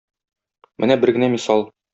Менә бер генә мисал.